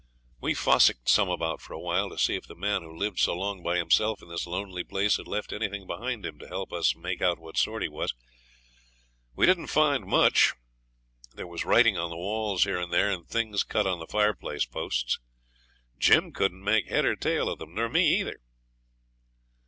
We fossicked about for a while to see if the man who lived so long by himself in this lonely place had left anything behind him to help us make out what sort he was. We didn't find much. There was writing on the walls here and there, and things cut on the fireplace posts. Jim couldn't make head or tail of them, nor me either.